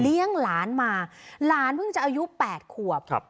เลี้ยงหลานมาหลานเพิ่งจะอายุแปดขวบครับ